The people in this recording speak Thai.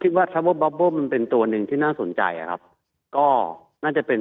คิดว่าถ้าว่ามันเป็นตัวหนึ่งที่น่าสนใจอะครับก็น่าจะเป็น